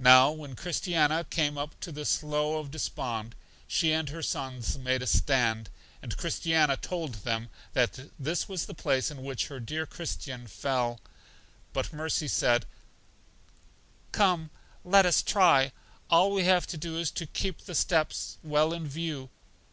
Now when Christiana came up to the Slough Of Despond, she and her sons made a stand, and Christiana told them that this was the place in which her dear Christian fell. But Mercy said, Come, let us try; all we have to do is to keep the steps well in view.